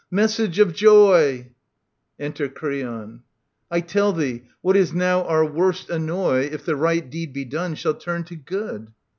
Message of joy I Enter Creon I tell thee, what is now our worst annoy, If the right deed be done, shall turn to good.